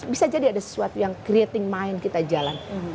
bisa jadi ada sesuatu yang creating mind kita jalan